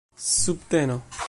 subteno